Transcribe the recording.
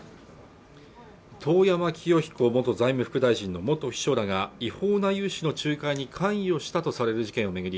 遠山清彦元財務副大臣の元秘書らが違法な融資の仲介に関与したとされる事件を巡り